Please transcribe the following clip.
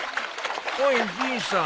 おいじいさん